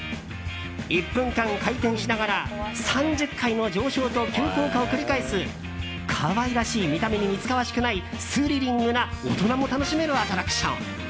１分間、回転しながら３０回の上昇と急降下を繰り返す可愛らしい見た目に似つかわしくないスリリングな大人も楽しめるアトラクション。